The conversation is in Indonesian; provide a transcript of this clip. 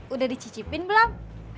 udah dicicipin belum